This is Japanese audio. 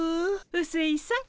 うすいさん。